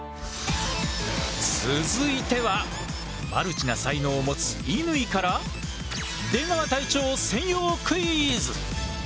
続いてはマルチな才能を持つ乾から出川隊長専用クイズ！